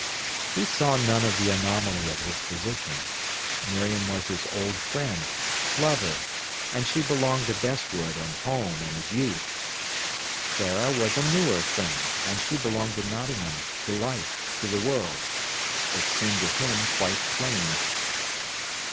He saw none of the anomaly of his position. Miriam was his old friend, lover, and she belonged to Bestwood and home and his youth. Clara was a newer friend, and she belonged to Nottingham, to life, to the world. It seemed to him quite plain.